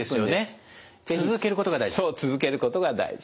続けることが大事。